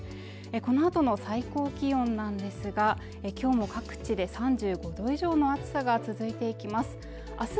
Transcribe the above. このあとの最高気温なんですが今日も各地で３５度以上の暑さが続いていきます